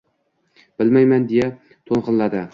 — Bilmayman! — deya to‘ng‘illadi.